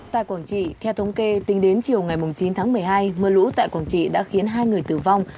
tại quảng trị theo thống kê tính đến chiều ngày chín tháng một mươi hai mưa lũ tại quảng trị đã khiến hai người tử vong